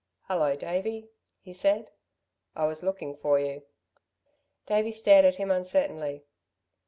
"Hullo, Davey," he said, "I was looking for you." Davey stared at him uncertainly.